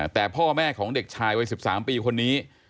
แต่พ่อแม่ของเด็กชายวัย๑๓ปีคนนี้